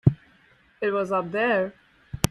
It was up there.